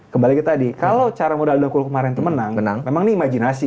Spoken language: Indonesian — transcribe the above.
kembali ke tadi kalau cara muda udah kuluh kemarin tuh menang memang ini imajinasi